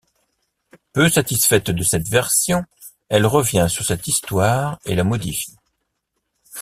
Peu satisfaite de cette version, elle revient sur cette histoire et la modifie.